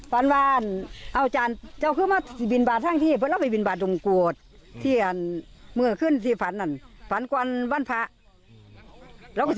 ฝันว่าไปบินบาทแล้วก็เบานั่ง